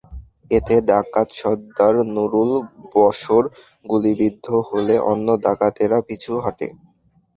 এতে ডাকাত সর্দার নুরুল বশর গুলিবিদ্ধ হলে অন্য ডাকাতেরা পিছু হটে।